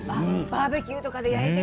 バーベキューとかで焼いて。